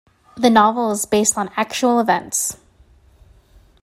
The novel is based on actual events.